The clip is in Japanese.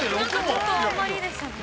何かちょっとあんまりですね。